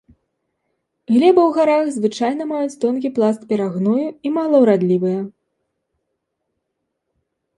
Глебы ў гарах звычайна маюць тонкі пласт перагною і малаўрадлівыя.